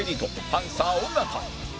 パンサー尾形